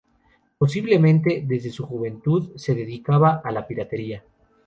Posiblemente desde su juventud se dedicaba a la piratería.